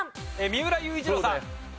三浦雄一郎さん。